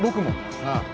ああ。